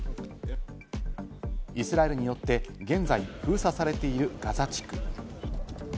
イスラエルによって、現在、封鎖されているガザ地区。